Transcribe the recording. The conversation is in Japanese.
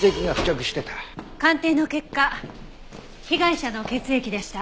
鑑定の結果被害者の血液でした。